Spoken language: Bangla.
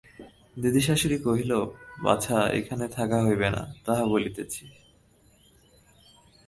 দিদিশাশুড়ি কহিল, বাছা, এখানে তোমার থাকা হইবে না, তাহা বলিতেছি।